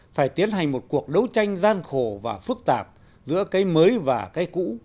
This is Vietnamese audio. phải tiến hành một cuộc đấu tranh gian khổ và phức tạp giữa cái mới và cái cũ